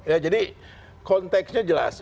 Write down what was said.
ya jadi konteksnya jelas